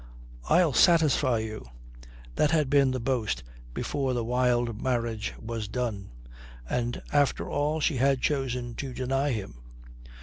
"I'll satisfy you" that had been the boast before the wild marriage was done. And after all she had chosen to deny him.